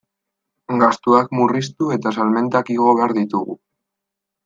Gastuak murriztu eta salmentak igo behar ditugu.